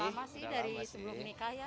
udah lama sih dari sebelum menikah ya